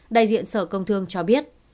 đại diện sở công thương cho biết